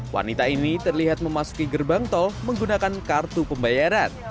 wanita ini terlihat memasuki gerbang tol menggunakan kartu pembayaran